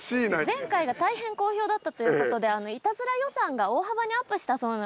前回が大変好評だったということでイタズラ予算が大幅にアップしたそうなんですね。